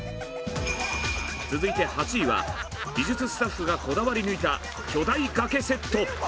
続いて８位は美術スタッフがこだわり抜いた巨大崖セット！